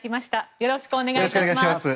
よろしくお願いします。